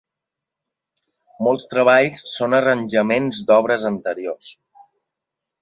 Molts treballs són arranjaments d'obres anteriors.